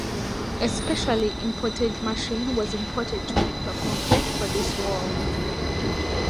A specially imported machine was imported to make the concrete for this wall.